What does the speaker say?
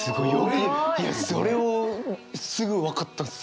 いやそれをすぐ分かった。